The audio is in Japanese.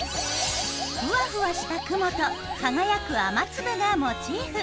ふわふわした雲と輝く雨粒がモチーフ。